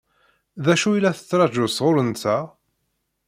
D acu i la tettṛaǧu sɣur-nteɣ?